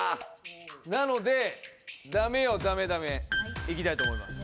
なので「ダメよダメダメ」いきたいと思います